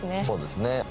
そうですね。